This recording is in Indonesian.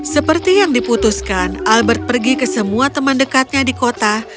seperti yang diputuskan albert pergi ke semua teman dekatnya di kota